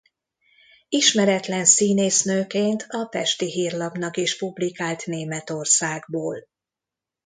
Ismeretlen színésznőként a Pesti Hírlapnak is publikált Németországból.